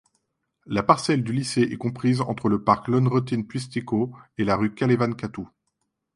La parcelle du lycée est comprise entre le parc Lönnrotinpuistikko et la rue Kalevankatu.